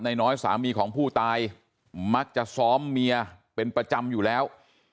น้อยสามีของผู้ตายมักจะซ้อมเมียเป็นประจำอยู่แล้ว